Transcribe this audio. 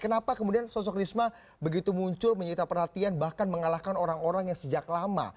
kenapa kemudian sosok risma begitu muncul menyita perhatian bahkan mengalahkan orang orang yang sejak lama